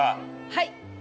はい！